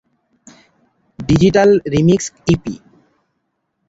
digital remix E P